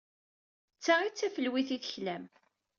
D ta ay d tafelwit ay d-teklam.